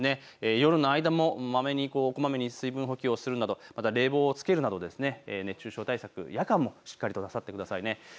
夜の間もまめに水分補給をするなど、また冷房をつけるなど熱中症対策、夜間もしっかりとなさってくださいね。